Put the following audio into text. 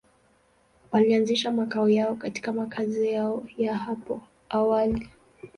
Walianzisha makao yao katika makazi yao ya hapo awali.